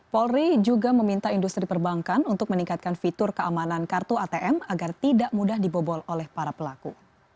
polri juga meminta industri perbankan untuk meningkatkan fitur keamanan kartu atm agar tidak mudah dibobol oleh para pelaku